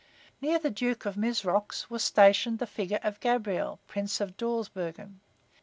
Near the Duke of Mizrox was stationed the figure of Gabriel, Prince of Dawsbergen.